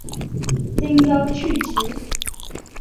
丁忧去职。